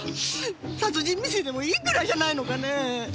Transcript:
殺人未遂でもいいくらいじゃないのかね！